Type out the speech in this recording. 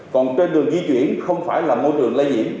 còn trên đường di chuyển không phải là môi trường lây nhiễm